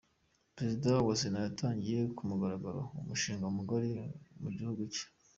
Perezida wa Sena yatangije ku mugaragaro umushinga Mugari mugihugu cye